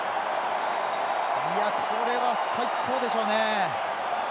これは最高でしょうね。